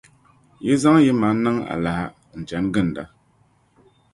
Yi zaŋ yimaŋa niŋ alaha n-chani ginda.